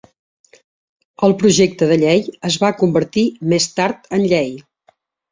El projecte de llei es va convertir més tard en llei.